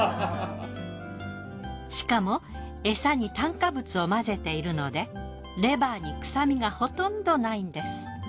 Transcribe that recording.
しかも餌に炭化物を混ぜているのでレバーに臭みがほとんどないんです。